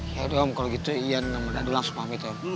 ya dong kalau gitu ian sama dandi langsung pamit